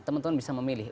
teman teman bisa memilih